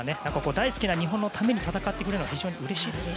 大好きな日本のために戦ってくれるのは非常にうれしいです。